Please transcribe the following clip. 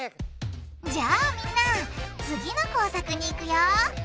じゃあみんな次の工作にいくよ。